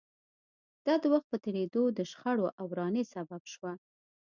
دا د وخت په تېرېدو د شخړو او ورانۍ سبب شوه